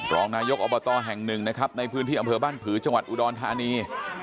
รองนายกอบตแห่งหนึ่งนะครับในพื้นที่อำเภอบ้านผือจังหวัดอุดรธานี